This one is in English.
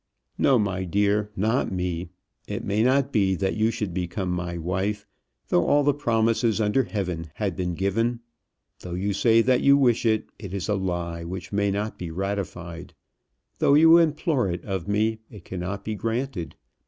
"No, my dear, not me; it may not be that you should become my wife, though all the promises under heaven had been given. Though you say that you wish it, it is a lie which may not be ratified. Though you implore it of me, it cannot be granted.